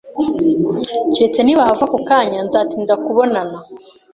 Keretse nibahava ako kanya, nzatinda kubonana.